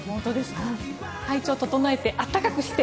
体調整えて暖かくして